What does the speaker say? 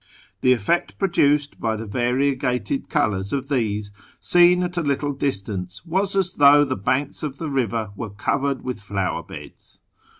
The effect produced by the variegated colours of these, seen at a little distance, was as though the banks of the river were covered with flower beds.